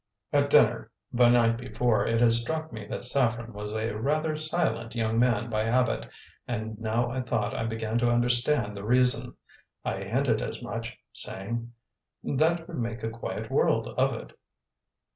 At dinner the night before, it had struck me that Saffren was a rather silent young man by habit, and now I thought I began to understand the reason. I hinted as much, saying, "That would make a quiet world of it."